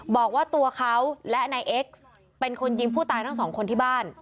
บอกว่าตัวเขาและนายเอ็กซ์เป็นคนยิงผู้ตายทั้งสองคนที่บ้าน